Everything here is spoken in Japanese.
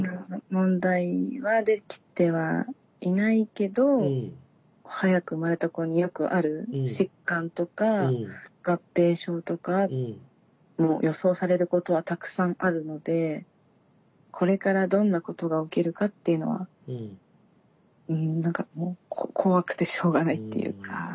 問題はできてはいないけど早く生まれた子によくある疾患とか合併症とか予想されることはたくさんあるのでこれからどんなことが起きるかっていうのは何かもう怖くてしょうがないっていうか。